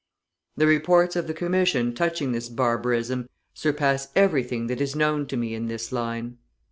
The reports of the Commission touching this barbarism surpass everything that is known to me in this line.